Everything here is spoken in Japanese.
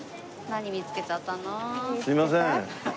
すいません。